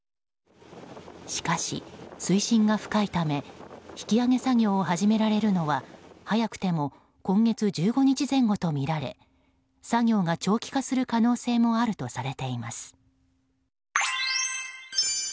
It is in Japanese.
しかし、水深が深いため引き揚げ作業を始められるのは早くても今月１５日前後とみられ作業が長期化する可能性もあるとされています。